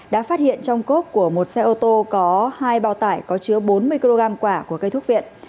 đã phát hiện trong cốp của một xe ô tô có hai bao tải có chứa bốn mươi kg quả của cây thúc viện